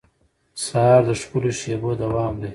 سهار د ښکلو شېبو دوام دی.